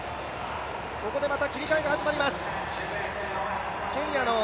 ここでまた切り替えが始まります。